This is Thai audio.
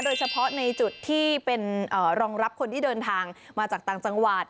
โดยเฉพาะในจุดที่เป็นรองรับคนที่เดินทางมาจากต่างจังหวัด